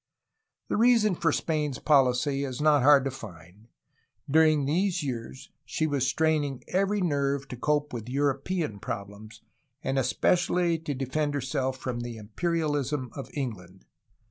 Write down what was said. The reason for Spain's policy is not hard to find. During these years she was straining every nerve to cope with European problems, and especially to defend herself from the imperialism of England.